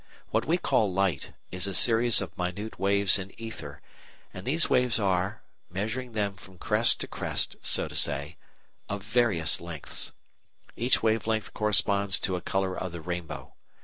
What we call light is a series of minute waves in ether, and these waves are measuring them from crest to crest, so to say of various lengths. Each wave length corresponds to a colour of the rainbow.